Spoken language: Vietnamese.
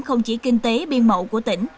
không chỉ kinh tế biên mậu của tỉnh